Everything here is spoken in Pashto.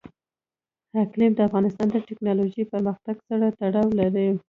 اقلیم د افغانستان د تکنالوژۍ پرمختګ سره تړاو لري.